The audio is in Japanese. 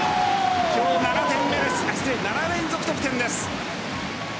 今日７連続得点です。